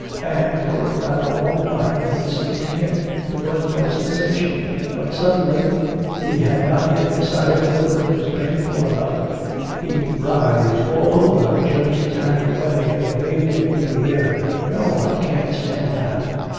And for a rather long time, as it seemed to him, there was no sensation, but suddenly he had not yet decided whether it was painful enough he writhed all over, jerked his hand away, and waved it in the air. 'No, I can't stand that!